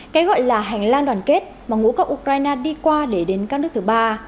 cái gọi là hành lang đoàn kết mà ngũ cốc ukraine đi qua để đến các nước thứ ba